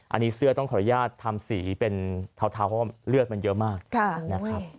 อันนี้เสื้อต้องขออนุญาตทำสีเป็นเทาเพราะว่าเลือดมันเยอะมากนะครับ